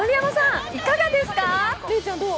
丸山さん、いかがですか？